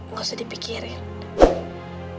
gak usah dipikirin